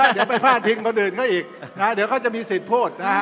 เดี๋ยวไปพาดพิงคนอื่นเขาอีกนะเดี๋ยวเขาจะมีสิทธิ์พูดนะฮะ